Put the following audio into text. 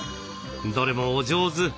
どれもお上手！